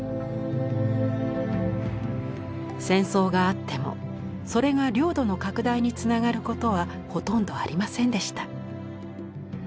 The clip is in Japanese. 戦争があってもそれが領土の拡大につながることはほとんどありませんでした。